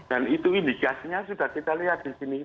dan itu indikasinya sudah kita lihat di sini